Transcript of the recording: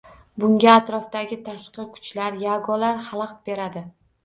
Bunga atrofdagi tashqi kuchlar, yagolar xalaqit beradi.